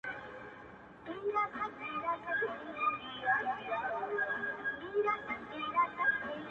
رقیبي سترګي وینمه په کور کي د مُغان٫